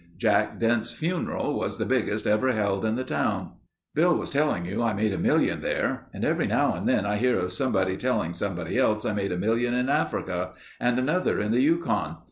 Jack Dent's funeral was the biggest ever held in the town. "Bill was telling you I made a million there, and every now and then I hear of somebody telling somebody else I made a million in Africa. And another in the Yukon.